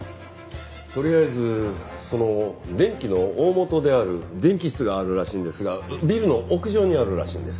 とりあえずその電気の大本である電気室があるらしいんですがビルの屋上にあるらしいんです。